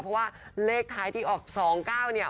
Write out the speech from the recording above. เพราะว่าเลขท้ายที่ออก๒๙เนี่ย